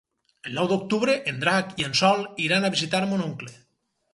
El nou d'octubre en Drac i en Sol iran a visitar mon oncle.